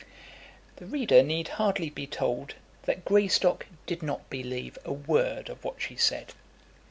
The reader need hardly be told that Greystock did not believe a word of what she said.